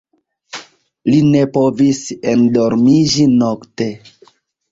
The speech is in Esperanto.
Li ne povis endormiĝi nokte.